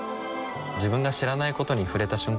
自分が知らないことに触れた瞬間